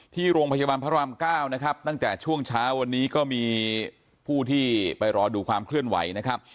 ที่โรงพยาบาลพระรามเก้านะครับตั้งแต่ช่วงเช้าวันนี้ก็มีผู้ที่ไปรอดูความเคลื่อนไหวนะครับ